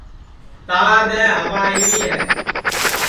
تاݪا دؔے ہوا آئیری ہے